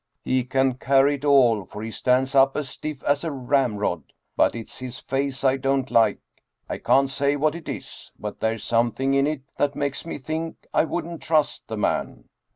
" He can carry it all, for he stands up as stiff as a ramrod. But it's his face I don't like. I can't say what it is, but there's something in it that makes me think I wouldn't trust the man."